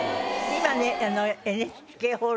今ね。